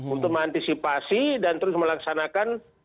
untuk mengantisipasi dan terus melaksanakan